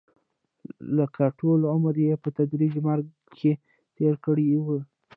لکه ټول عمر یې په تدریجي مرګ کې تېر کړی وي.